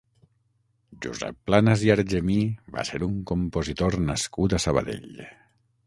Josep Planas i Argemí va ser un compositor nascut a Sabadell.